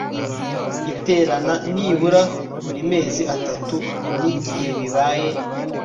iterana nibura buri mezi atatu n igihe bibaye